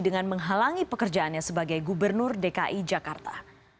dengan menghalangi pekerjaannya sebagai gubernur dki jakarta